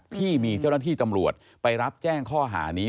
ที่มีเจ้าหน้าที่ตำรวจไปรับแจ้งข้อหานี้